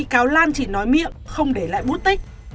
bị cáo lan chỉ nói miệng không để lại bút tích